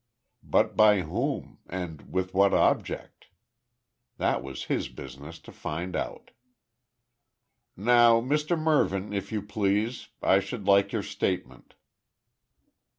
But by whom, and with what object? That was his business to find out. "Now Mr Mervyn, if you please. I should like your statement."